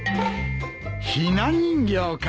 ひな人形か！